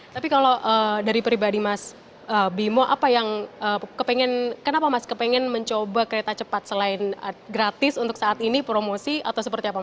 tapi kalau dari pribadi mas bimo apa yang kenapa mas kepengen mencoba kereta cepat selain gratis untuk saat ini promosi atau seperti apa